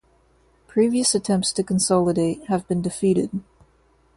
Previous attempts to consolidate have been defeated.